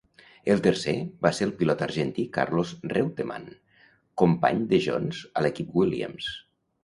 El tercer va ser el pilot argentí Carlos Reutemann, company de Jones a l'equip Williams.